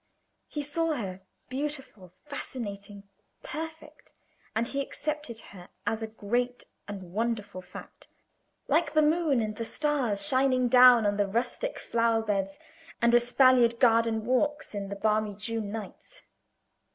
He saw her, beautiful, fascinating, perfect, and he accepted her as a great and wonderful fact, like the moon and the stars shining down on the rustic flower beds and espaliered garden walks in the balmy June nights.